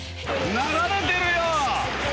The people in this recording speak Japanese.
流れてるよ